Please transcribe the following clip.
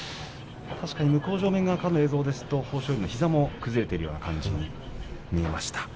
向正面側からの映像ですと豊昇龍の膝も崩れているような感じに見えました。